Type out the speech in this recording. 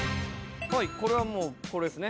はいこれはもうこれですね